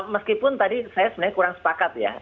meskipun tadi saya sebenarnya kurang sepakat ya